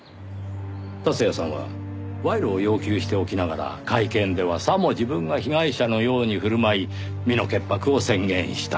達也さんは賄賂を要求しておきながら会見ではさも自分が被害者のように振る舞い身の潔白を宣言した。